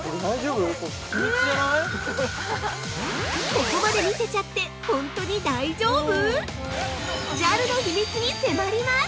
◆ここまで見せちゃって本当に大丈夫！？